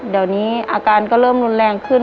เดี๋ยวนี้อาการก็เริ่มรุนแรงขึ้น